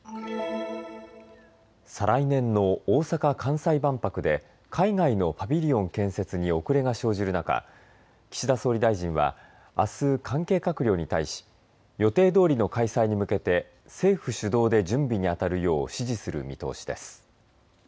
再来年の大阪・関西万博で海外のパビリオン建設に遅れが生じる中、岸田総理大臣はあす関係閣僚に対し予定どおりの開催に向けて政府主導で準備にあたるよう指示する見通しです。